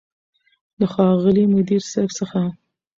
له ښاغلي مدير صيب څخه